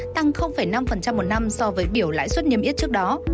tăng năm một năm so với biểu lãi suất niêm yết trước đó